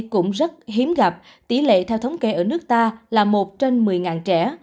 cũng rất hiếm gặp tỷ lệ theo thống kê ở nước ta là một trên một mươi trẻ